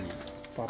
jadi ada suka dukanya